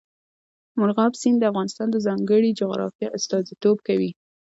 مورغاب سیند د افغانستان د ځانګړي جغرافیه استازیتوب کوي.